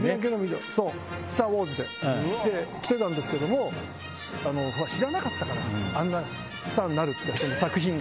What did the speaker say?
そう『スター・ウォーズ』できてたんですけども知らなかったからあんなスターになるって作品が。